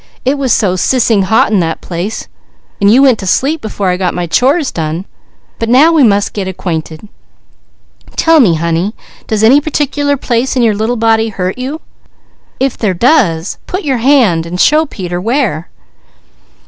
It was so sissing hot in that place and you went to sleep before I got my chores done; but now we must get acquainted. Tell me honey, does any particular place in your little body hurt you? If there does, put your hand and show Peter where."